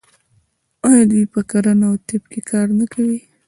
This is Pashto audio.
آیا دوی په کرنه او طب کې کار نه کوي؟